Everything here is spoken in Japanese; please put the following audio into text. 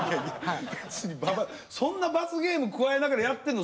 別にそんな罰ゲーム加えながらやってんの？